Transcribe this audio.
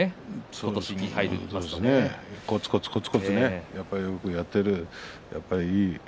こつこつこつこつよくやっているいい